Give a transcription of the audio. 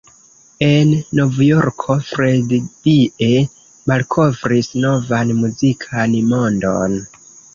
En Novjorko Freddie malkovris novan muzikan mondon.